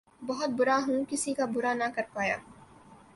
بہت بُرا ہُوں! کسی کا بُرا نہ کر پایا